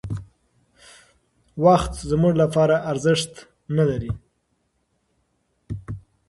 وخت زموږ لپاره ارزښت نهلري.